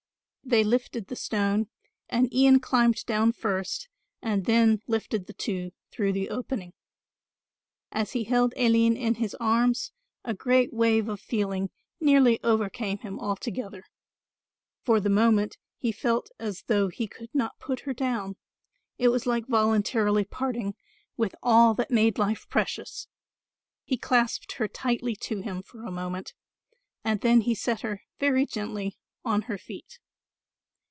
They lifted the stone and Ian climbed down first and then lifted the two through the opening. As he held Aline in his arms a great wave of feeling nearly overcame him altogether. For the moment he felt as though he could not put her down; it was like voluntarily parting with all that made life precious. He clasped her tightly to him for a moment and then he set her very gently on her feet.